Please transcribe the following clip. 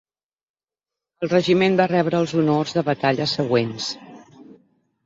El regiment va rebre els honors de batalla següents.